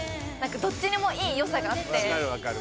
どっちにもいいよさがあって分かる分かる